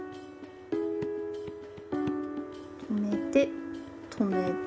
止めて止めて。